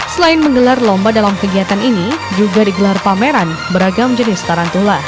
selain menggelar lomba dalam kegiatan ini juga digelar pameran beragam jenis tarantula